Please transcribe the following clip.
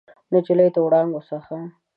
نجلۍ د وړانګو څخه